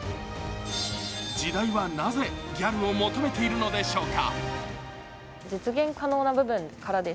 時代は、なぜギャルを求めているのでしょうか。